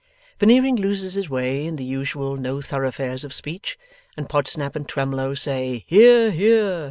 Veneering loses his way in the usual No Thoroughfares of speech, and Podsnap and Twemlow say Hear hear!